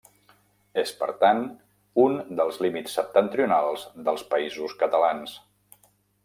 És per tant, un dels límits septentrionals dels Països Catalans.